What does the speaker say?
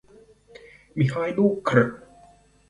Mihailo Kr.